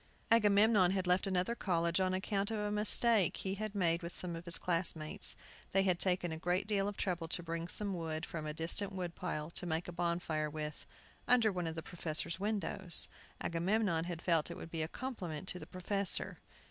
Agamemnon had left another college on account of a mistake he had made with some of his classmates. They had taken a great deal of trouble to bring some wood from a distant wood pile to make a bonfire with, under one of the professors' windows. Agamemnon had felt it would be a compliment to the professor.